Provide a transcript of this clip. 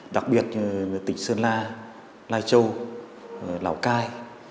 đặc biệt tỉnh sơn la lai châu lào cai